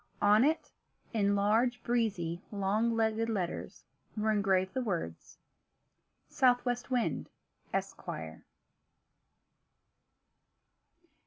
On it, in large, breezy, long legged letters, were engraved the words: South West Wind, Esquire. II.